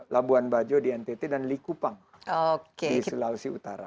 labuan bajo di ntt dan likupang di sulawesi utara